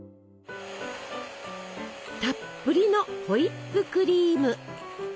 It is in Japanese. たっぷりのホイップクリーム！